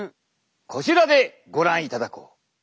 こちらでご覧いただこう。